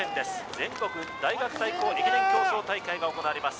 全国大学対校駅伝競走大会が行われます